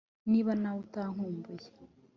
niba nawe utankumbuye